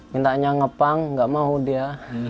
mintanya ngepang nggak mau dia